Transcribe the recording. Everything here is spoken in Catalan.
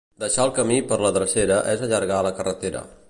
Deixar el camí per la drecera és allargar la carretera.